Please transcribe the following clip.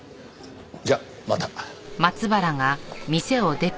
じゃあまた。